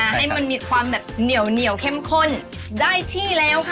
ให้มันมีความแบบเหนียวเข้มข้นได้ที่แล้วค่ะ